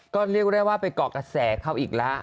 ก็เรียกได้ว่าไปเกาะกระแสเขาอีกแล้ว